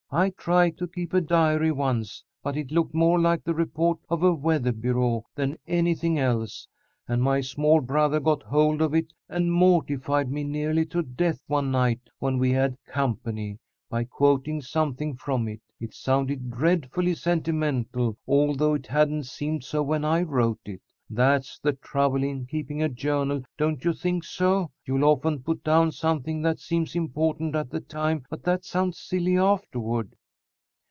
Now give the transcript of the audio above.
I tried to keep a diary once, but it looked more like the report of a weather bureau than anything else, and my small brother got hold of it and mortified me nearly to death one night when we had company, by quoting something from it. It sounded dreadfully sentimental, although it hadn't seemed so when I wrote it. That's the trouble in keeping a journal, don't you think so? You'll often put down something that seems important at the time, but that sounds silly afterward."